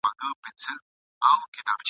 سپېده داغ ته یې د شپې استازی راسي !.